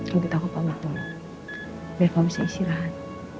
dan semoga kamu bisa sadar ya kat